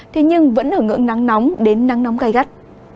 thế nhưng vẫn ở ngưỡng nắng nóng đến nắng nóng gai gắt